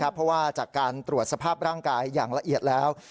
เพราะว่าจากการตรวจสภาพร่างกายอย่างละเอียดแล้ว